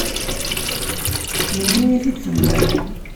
Melmi i t-id-temlaleḍ?